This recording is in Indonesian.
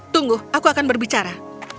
tunggu aku akan berbicara